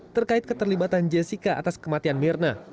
terkait keterlibatan jessica atas kematian mirna